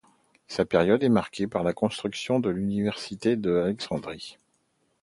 Sa période est marqué par la construction de l'université de l'Alexandrie.